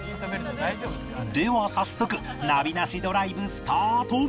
では早速ナビ無しドライブスタート